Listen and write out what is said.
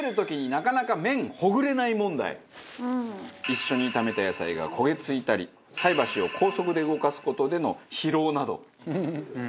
一緒に炒めた野菜が焦げ付いたり菜箸を高速で動かす事での疲労など。